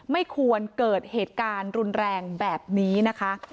ไม่ควรเกิดเหตุการณ์รุนแรงแบบนี้นะคะ